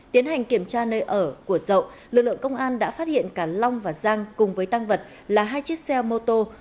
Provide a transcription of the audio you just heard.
tiến hành kiểm tra nơi ở của dậu lực lượng công an đã phát hiện cả long và giang cùng với tăng vật là hai chiếc xe mô tô